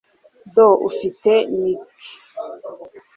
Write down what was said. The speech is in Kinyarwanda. do ufite nickel